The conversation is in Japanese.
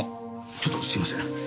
ちょっとすいません。